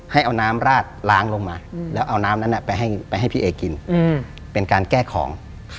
ให้เอาน้ำราดล้างลงมาแล้วเอาน้ำนั้นไปให้พี่เอกินเป็นการแก้ของ